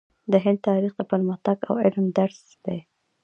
د هند تاریخ د پرمختګ او علم درس دی.